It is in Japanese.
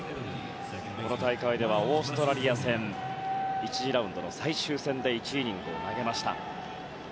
この大会ではオーストラリア戦１次ラウンドの最終戦で１イニングを投げました。